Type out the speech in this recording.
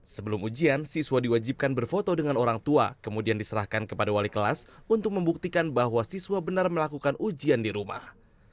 sebelum ujian siswa diwajibkan berfoto dengan orang tua kemudian diserahkan kepada wali kelas untuk membuktikan bahwa siswa benar melakukan ujian di rumah